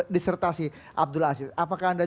disertasi abdul aziz apakah anda